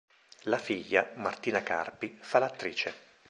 La figlia, Martina Carpi, fa l'attrice.